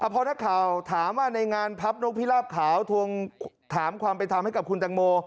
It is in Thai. พอนักข่าวถามว่าในงานพับนกพิราบขาวทวงถามความเป็นธรรมให้กับคุณแตงโม